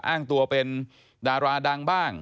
อ้างตัวเป็นดาราดังบ้าง